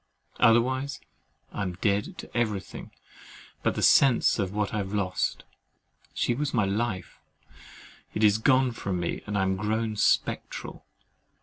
Otherwise, I am dead to every thing but the sense of what I have lost. She was my life—it is gone from me, and I am grown spectral!